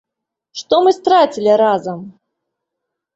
Што мы страцілі разам?